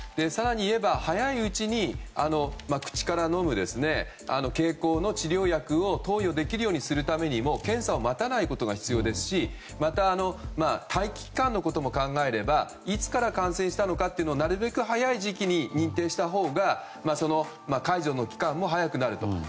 更に言えば早いうちに口から飲む経口の治療薬を投与できるようにするためにも検査を待たないことが必要ですしまた待機期間のことも考えればいつから感染したのかというのをなるべく早い時期に認定したほうが、解除の期間も早くなると。